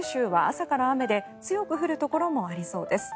明日の九州は朝から雨で強く降るところもありそうです。